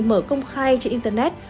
mở công khai trên internet